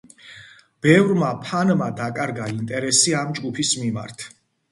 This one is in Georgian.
ბევრმა ფანმა დაკარგა ინტერესი ამ ჯგუფის მიმართ.